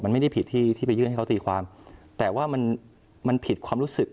มันไม่ได้ผิดที่ที่ไปยื่นให้เขาตีความแต่ว่ามันมันผิดความรู้สึก